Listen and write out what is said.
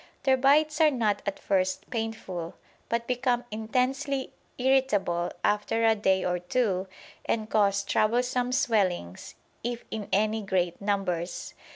Their bites are not at first painful, but become intensely irritable after a day or two and cause troublesome swellings, if in any great numbers.